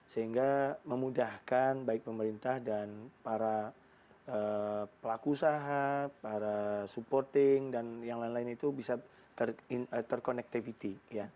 sehingga memudahkan baik pemerintah dan para pelaku usaha para supporting dan yang lain lain itu bisa terkonektivity